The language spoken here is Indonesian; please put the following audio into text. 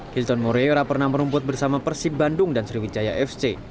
keston moreora pernah merumput bersama persib bandung dan sriwijaya fc